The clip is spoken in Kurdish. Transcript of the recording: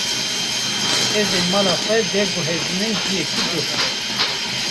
Ez ê mala xwe veguhezînim ciyekî dûr.